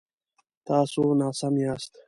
تاسو ناسم یاست